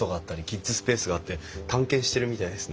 キッズスペースがあって探検してるみたいですね。